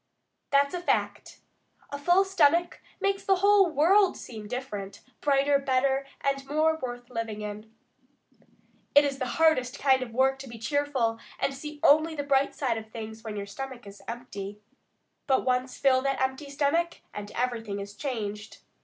That's a fact. A full stomach makes the whole world seem different, brighter, better, and more worth living in. It is the hardest kind of hard work to be cheerful and see only the bright side of things when your stomach is empty. But once fill that empty stomach, and everything is changed.